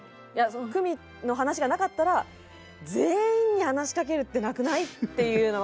久美の話がなかったら「全員に話しかけるってなくない？」っていうのは。